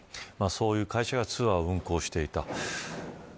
そういう会社がツアーを運航していた。